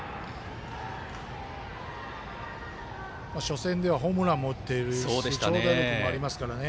初戦ではホームランも打っていて長打力もありますからね。